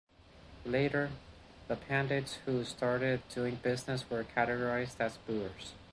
Later, the Pandits who started doing business were categorised as Buhirs.